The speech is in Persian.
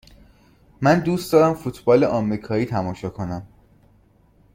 من دوست دارم فوتبال آمریکایی تماشا کنم.